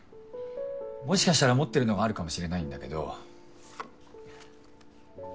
もしかしたら持ってるのがあるかもしれないんだけど。